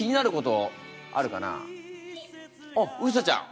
あっうさちゃん。